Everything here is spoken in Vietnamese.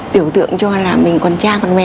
biểu tượng cho là mình còn cha còn mẹ